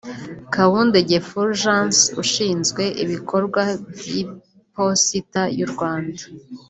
Kabundege Fulgence ushinzwe ibikorwa by’Iposita y’u Rwanda